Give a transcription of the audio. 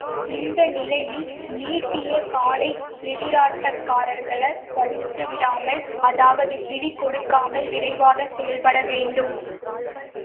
இந்த நிலையில், நீட்டிய காலை எதிராட்டக்காரர்கள பிடித்துவிடாமல் அதாவது பிடி கொடுக்காமல் விரைவாக செயல்பட வேண்டும்.